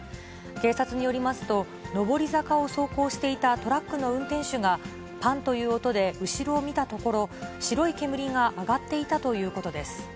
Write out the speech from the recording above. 警察によりますと、上り坂を走行していたトラックの運転手が、ぱんという音で後ろを見たところ、白い煙が上がっていたということです。